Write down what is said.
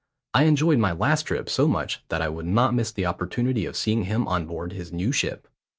I enjoyed my last trip so much that I would not miss the opportunity of seeing him on board his new ship.